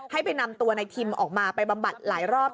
ให้ไปนำตัวนายทิมออกมาไปบำบัดหลายรอบ